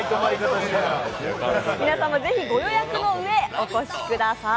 皆様、ぜひご予約の上、お越しください。